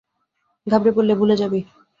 ঘাবড়ে পড়লে ভুলে যাবি।